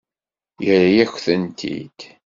Yerra-yak-tent-id?